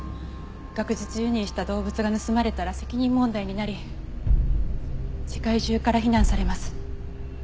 学術輸入した動物が盗まれたら責任問題になり世界中から非難されます。